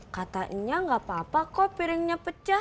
katanya gak apa apa kok piringnya pecah